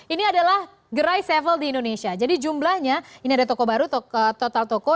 ini adalah gerai sevel di indonesia jadi jumlahnya ini ada toko baru total toko